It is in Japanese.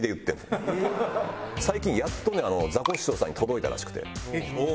最近やっとねザコシショウさんに届いたらしくて。